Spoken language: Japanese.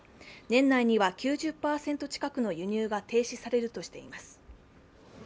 年内には９０％近くの輸入が停止されるとしています。